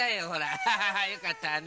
アッハハハよかったね。